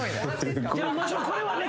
これはね